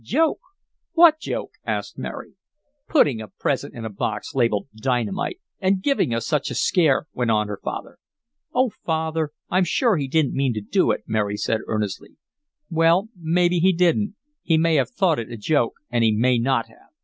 "Joke! What joke?" asked Mary. "Putting a present in a box labeled Dynamite, and giving us such a scare," went on her father. "Oh, Father, I'm sure he didn't mean to do it!" Mary said, earnestly. "Well, maybe he didn't! He may have thought it a joke, and he may not have!